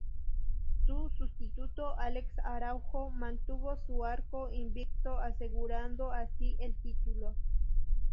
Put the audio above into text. Su sustituto, Alex Araujo, mantuvo su arco invicto asegurando así el título.